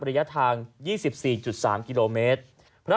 ระยะทาง๒๔๓กิโลเมตร